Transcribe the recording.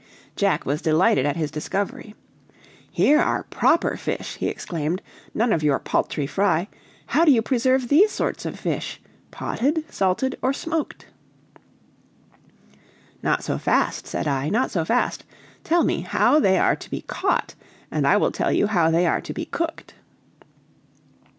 Jack was delighted at his discovery. "Here are proper fish!" he exclaimed; "none of your paltry fry. How do you preserve these sorts of fish? Potted, salted, or smoked?" "Not so fast," said I, "not so fast; tell me how they are to be caught, and I will tell you how they are to be cooked."